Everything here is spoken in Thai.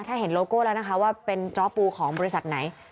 ถ้าเห็นโลโก้แล้วนะคะว่าเป็นจ้อปูของบริษัทไหน